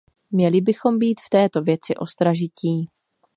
Měli bychom být v této věci ostražití.